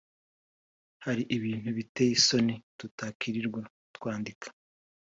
Hari ibindi biteye isoni tutakwirirwa twandika